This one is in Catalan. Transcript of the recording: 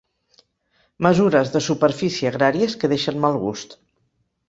Mesures de superfície agràries que deixen mal gust.